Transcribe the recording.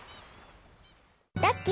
ラッキー！